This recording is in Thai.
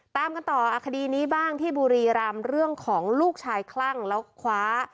ตามกันต่อคดีนี้บ้างที่บุรีรำเรื่องของลูกชายคลั่งแล้วคว้า